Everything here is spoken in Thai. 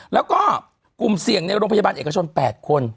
แล้วก็กลุ่มเสี่ยงในโรงพยาบาลเอกชน๘คน